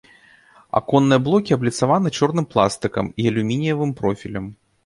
Аконныя блокі абліцаваны чорным пластыкам і алюмініевым профілем.